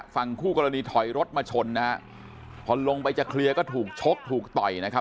ฝั่งคู่กรณีถอยรถมาชนนะฮะพอลงไปจะเคลียร์ก็ถูกชกถูกต่อยนะครับ